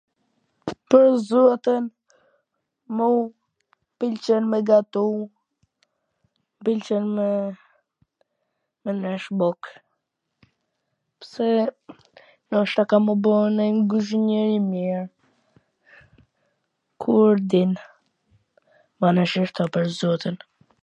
pwr zotin, mu m pwlqen me gatu, m pwlqen me njesh buk, pse ndoshta kam m' u bo nonjw guzhiner i mir, kur din. bane shesh kta pwr zotin